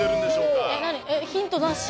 ヒントなし？